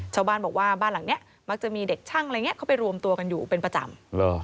ชาวบ้านบอกว่าบ้านหลังนี้มักจะมีเด็กช่างอะไรอย่างนี้เขาไปรวมตัวกันอยู่เป็นประจำ